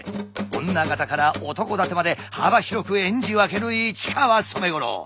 女形から男伊達まで幅広く演じ分ける市川染五郎。